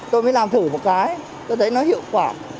tôi mới làm thử một cái tôi thấy nó hiệu quả